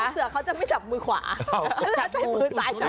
อาจารย์เขาจะไม่จับมือขวา